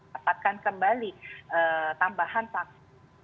mendapatkan kembali tambahan vaksin